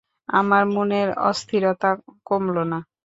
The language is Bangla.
আমার মনের অস্থিরতা কমল না।